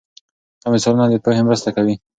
دا مثالونه د پوهې مرسته کوي.